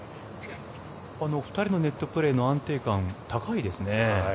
２人のネットプレーの安定感高いですね。